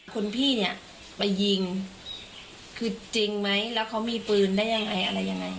คนพี่เนี่ยไปยิงคือจริงไหมแล้วเขามีปืนได้ยังไงอะไรยังไง